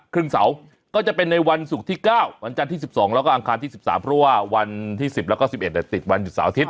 เสาร์ก็จะเป็นในวันศุกร์ที่๙วันจันทร์ที่๑๒แล้วก็อังคารที่๑๓เพราะว่าวันที่๑๐แล้วก็๑๑ติดวันหยุดเสาร์อาทิตย